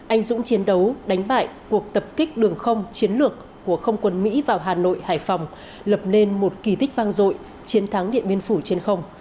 anh dũng chiến đấu đánh bại cuộc tập kích đường không chiến lược của không quân mỹ vào hà nội hải phòng lập nên một kỳ tích vang rội chiến thắng điện biên phủ trên không